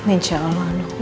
insya allah nob